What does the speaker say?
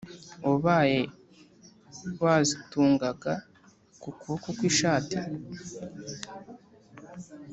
wabaye wazitungaga ku kuboko kw’ishati ?